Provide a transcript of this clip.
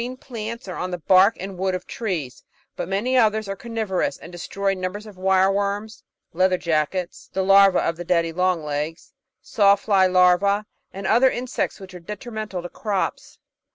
Natural Hlstoty 588 plants or on the bark and wood of trees, but many others are carnivorous and destroy numbers of wireworms, "leather jackets" (the larvae of the "Daddy long legs"), Saw Fly larvae, and other insects which are detrimental to crops.